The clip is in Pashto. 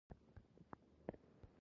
استاد بینوا د خپل ولس دردونه بیان کړل.